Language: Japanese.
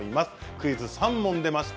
クイズが３問出ました。